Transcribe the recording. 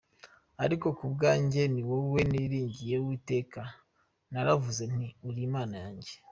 Ariko ku bwanjye ni wowe niringiye Uwiteka, Naravuze nti “Uri Imana yanjye.”